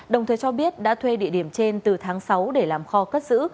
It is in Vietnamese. đồng thời cho biết đã thuê địa điểm trên từ tháng sáu để làm kho cất giữ